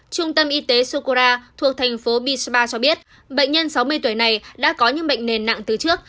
trung tâm y tế sokora thuộc thành phố bezba cho biết bệnh nhân sáu mươi tuổi này đã có những bệnh nền nặng từ trước